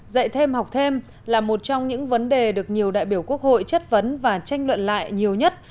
dạy thêm học thêm là một trong những vấn đề được nhiều đại biểu quốc hội chất vấn và tranh luận lại nhiều nhất